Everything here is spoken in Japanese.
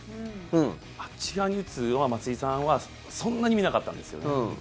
あっち側に打つのは松井さんはそんなに見なかったんですよね。